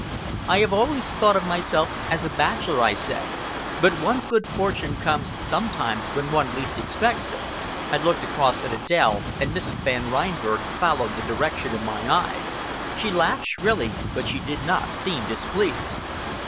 "I have always thought of myself as a bachelor," I said; "but one's good fortune comes sometimes when one least expects it." I looked across at Adèle, and Mrs. Van Reinberg followed the direction of my eyes. She laughed shrilly, but she did not seem displeased.